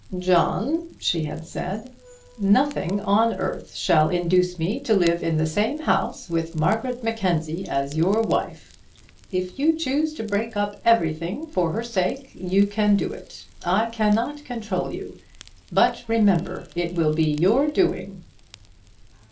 "John," she had said, "nothing on earth shall induce me to live in the same house with Margaret Mackenzie as your wife. If you choose to break up everything for her sake, you can do it. I cannot control you. But remember, it will be your doing."